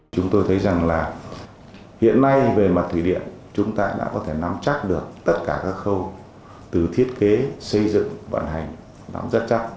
chúng tôi thấy rằng là hiện nay về mặt thủy điện chúng ta đã có thể nắm chắc được tất cả các khâu từ thiết kế xây dựng vận hành nắm rất chắc